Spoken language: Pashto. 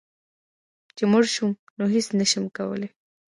چي مړ شوم نو هيڅ نشم کولی